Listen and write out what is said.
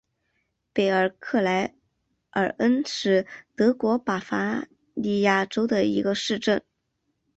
贝尔格莱尔恩是德国巴伐利亚州的一个市镇。